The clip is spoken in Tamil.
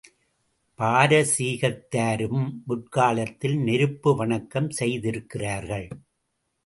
பாரசீகத்தாரும் முற்காலத்தில் நெருப்பு வணக்கம் செய்திருக்கிறார்கள்.